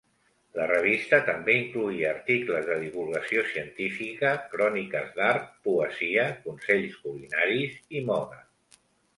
La revista també incloïa articles de divulgació científica, cròniques d'art, poesia, consells culinaris i moda.